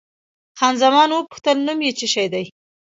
خان زمان وپوښتل، نوم یې څه شی دی؟